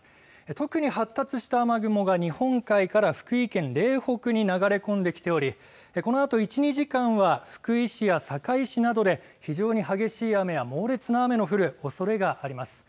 特に発達した雨雲が日本海から福井県嶺北に流れ込んできており、このあと１、２時間は福井市や坂井市などで非常に激しい雨や猛烈な雨の降るおそれがあります。